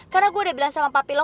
karena gue udah bilang sama papi lo